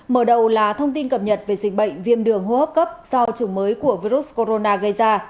mở đầu là thông tin cập nhật về dịch bệnh viêm đường hô hấp cấp do chủng mới của virus corona gây ra